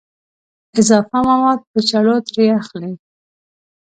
اضافه مواد په چړو ترې اخلي.